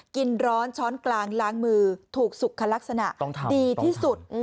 กินร้อนช้อนกลางล้างมือถูกสุขลักษณะดีที่สุด